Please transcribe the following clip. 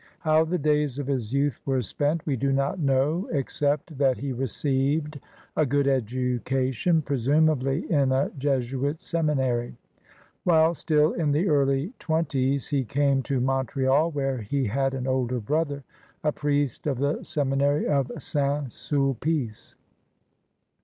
How the days of his youth were spent we do not know except that he received a good education, presimiably in a Jesuit seminary . While still in the early twenties he came to Montreal where he had an older brother, a priest of the Seminary of St. Sulpice.